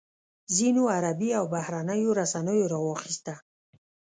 ځینو عربي او بهرنیو رسنیو راواخیسته.